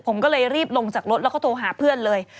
ผมก็เลยรีบลงจากรถแล้วก็โทรหาเพื่อนเลย